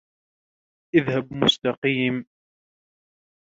اذهب مستقيم